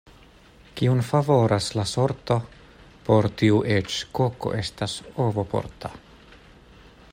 Kiun favoras la sorto, por tiu eĉ koko estas ovoporta.